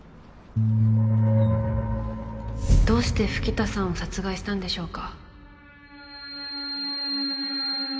どうして吹田さんを殺害したんでしょう